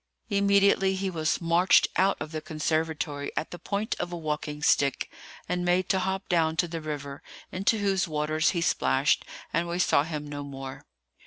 Immediately he was marched out of the conservatory at the point of a walking stick, and made to hop down to the river, into whose waters he splashed, and we saw him no more.